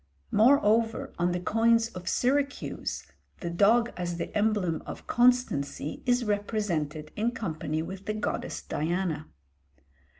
Moreover, on the coins of Syracuse the dog as the emblem of constancy is represented in company with the goddess Diana.